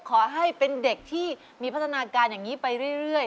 ขอให้เป็นเด็กที่มีพัฒนาการอย่างนี้ไปเรื่อย